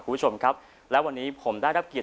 คุณผู้ชมครับและวันนี้ผมได้รับเกียรติ